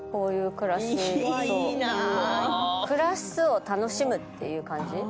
暮らすを楽しむっていう感じ。